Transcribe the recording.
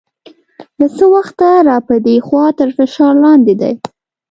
له څه وخته را په دې خوا تر فشار لاندې دی.